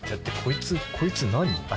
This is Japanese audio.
こいつ何？